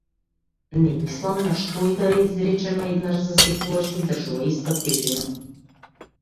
Не мислам дека што и да е изречено еднаш за секогаш задржува иста тежина.